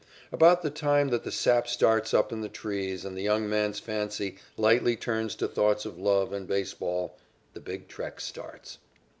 About the time that the sap starts up in the trees and the young man's fancy lightly turns to thoughts of love and baseball, the big trek starts.